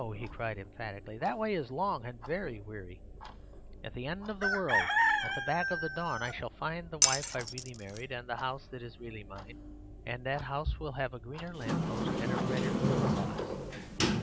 he cried emphatically. 'That way is long and very weary. At the end of the world, at the back of the dawn, I shall find the wife I really married and the house that is really mine. And that house will have a greener lamp post and a redder pillar box.